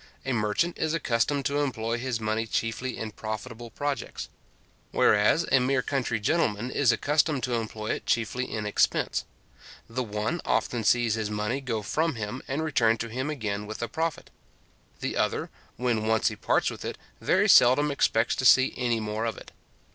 A merchant is accustomed to employ his money chiefly in profitable projects; whereas a mere country gentleman is accustomed to employ it chiefly in expense. The one often sees his money go from him, and return to him again with a profit; the other, when once he parts with it, very seldom expects to see any more of it.